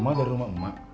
mama dari rumah emak